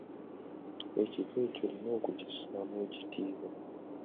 Ekika kyo olina okukissaamu ekitiibwa.